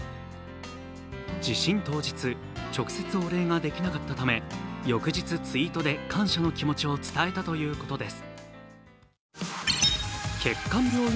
地震当日、直接お礼ができなかったため、翌日、ツイートで感謝の気持ちを伝えたということです。